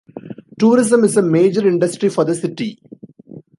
Tourism is a major industry for the city.